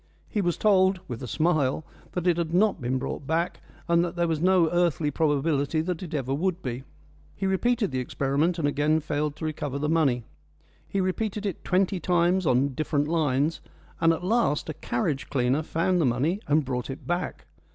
He was told, with a smile, that it had not been brought back, and that there was no earthly probability that it ever would be. He repeated the experiment, and again failed to recover the money. He repeated it twenty times on different lines, and at last a carriage cleaner found the money and brought it back.